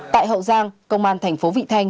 tại hậu giang công an thành phố vị thanh